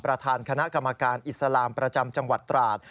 ประธานคณะกรรมการอิสลามประจำจังหวัดตราด